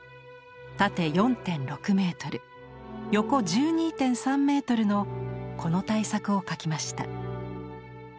縦４．６メートル横１２．３メートルのこの大作を描きました。